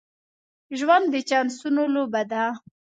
ژوند د چانسونو لوبه ده.